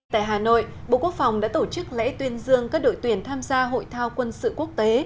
tại hà nội bộ quốc phòng đã tổ chức lễ tuyên dương các đội tuyển tham gia hội thao quân sự quốc tế